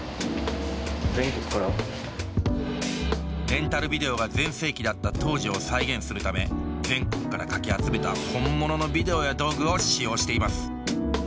レンタルビデオが全盛期だった当時を再現するため全国からかき集めた本物のビデオや道具を使用しています。